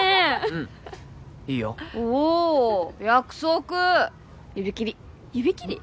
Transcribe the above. うんいいよおおー約束指きり指きり？